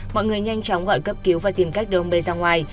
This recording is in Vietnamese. mọi người nhanh chóng gọi cấp cứu và tìm cách đưa ông b ra ngoài